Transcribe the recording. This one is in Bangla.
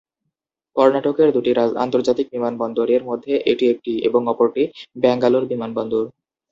কর্ণাটকের দুটি আন্তর্জাতিক বিমানবন্দরের মধ্যে এটি একটি এবং অপরটি ব্যাঙ্গালোর বিমানবন্দর।